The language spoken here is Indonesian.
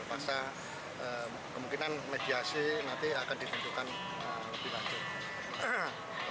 masa kemungkinan mediasi nanti akan ditentukan lebih lanjut